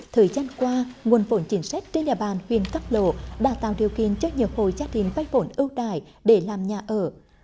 thời gian qua nguồn vốn chính sách trên nhà bàn huyện cam lô đã tạo điều kiện cho nhiều khổ gia đình vay vốn ưu đại để làm nhà ở